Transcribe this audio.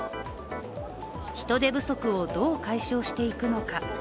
人手不足をどう解消していくのか。